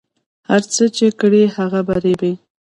هر څه چې کرې هغه به ریبې